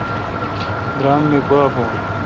درام می گوا بھون۔